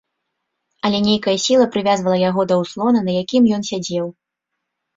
Але нейкая сіла прывязвала яго да ўслона, на якім ён сядзеў.